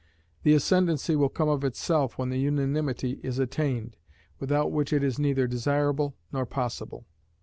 The ascendancy will come of itself when the unanimity is attained, without which it is neither desirable nor possible.